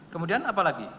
kemudian apa lagi